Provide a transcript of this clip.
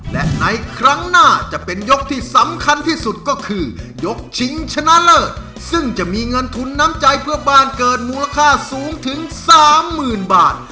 และในครั้งหน้าจะเป็นยกที่สำคัญที่สุดก็คือยกชิงชนะเลิศซึ่งจะมีเงินทุนน้ำใจเพื่อบ้านเกิดมูลค่าสูงถึงสามหมื่นบาท